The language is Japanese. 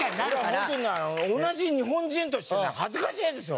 俺は本当に同じ日本人としてね恥ずかしいんですよ